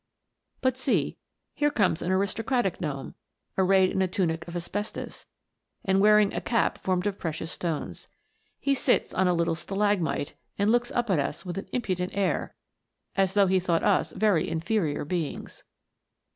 But see, here comes an aristocratic gnome, arrayed in a tunic of asbestos, and wearing a cap formed of precious stones. He sits on a little stalagmite, and looks up at us with an impudent air, as though he thought us very inferior beings.